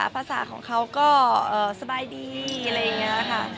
ภาษาของเขาก็สบายดีอะไรอย่างนี้ค่ะ